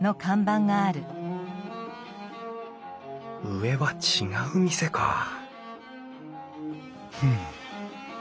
上は違う店かふん。